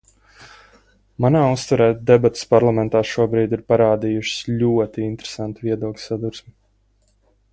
Manā uztverē, debates parlamentā šobrīd ir parādījušas ļoti interesantu viedokļu sadursmi.